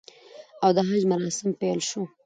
او د حج مراسم پیل شو